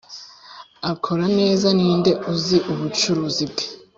akora neza ninde uzi ubucuruzi bwe.